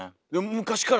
昔から。